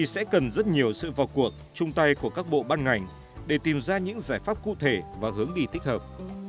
sẽ cần rất nhiều sự vào cuộc chung tay của các bộ ban ngành để tìm ra những giải pháp cụ thể và hướng đi thích hợp